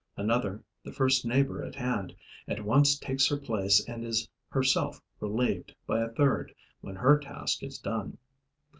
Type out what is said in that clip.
Another, the first neighbor at hand, at once takes her place and is herself relieved by a third when her task is done.